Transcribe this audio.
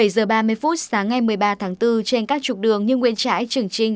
bảy giờ ba mươi phút sáng ngày một mươi ba tháng bốn trên các trục đường như nguyễn trãi trường trinh